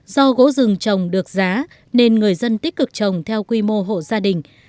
do gỗ rừng trồng được giá nên người dân tích cực trồng theo quy mô hộ gia đình